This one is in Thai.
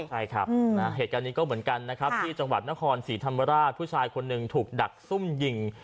ใช่ครับเหตุการณ์นี้ก็เหมือนกันนะครับที่จังหวัดนครศรีธรรมราชผู้ชายคนหนึ่งถูกดักซุ่มยิง